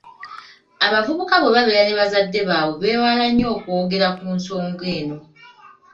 Abavubuka bwe babeera ne bazadde baabwe beewala nnyo okwogera ku nsonga eno.